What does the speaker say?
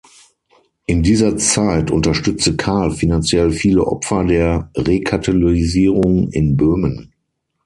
In dieser Zeit unterstützte Karl finanziell viele Opfer der Rekatholisierung in Böhmen.